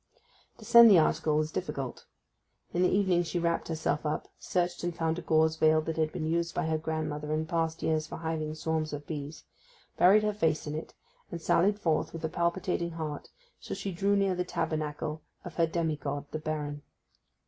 To send the article was difficult. In the evening she wrapped herself up, searched and found a gauze veil that had been used by her grandmother in past years for hiving swarms of bees, buried her face in it, and sallied forth with a palpitating heart till she drew near the tabernacle of her demi god the Baron.